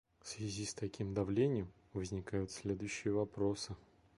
В связи с таким давлением возникают следующие вопросы.